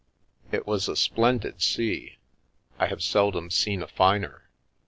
It was a splendid sea; I have seldom seen a finer.